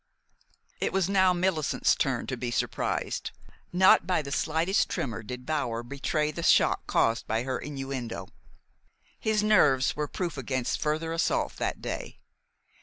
It was now Millicent's turn to be surprised. Not by the slightest tremor did Bower betray the shock caused by her innuendo. His nerves were proof against further assault that day.